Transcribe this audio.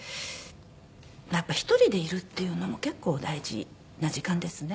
やっぱ１人でいるっていうのも結構大事な時間ですね。